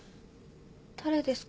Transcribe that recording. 誰ですか？